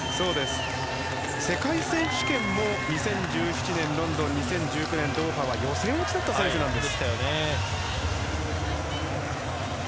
世界選手権も２０１７年、ロンドン２０１９年、ドーハは予選落ちだった選手なんです。